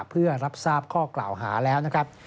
เพื่อรับทราบข้อกล่าวหาแล้วนะครับ